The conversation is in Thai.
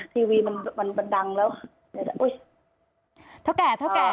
ทีวีมันดังแล้ว